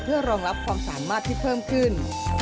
เพื่อรองรับความสามารถที่เพิ่มขึ้น